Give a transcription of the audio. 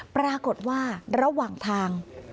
ปรากฏว่าระหว่างทาง